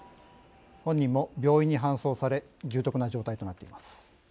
本人も病院に搬送され重篤な状態となっています。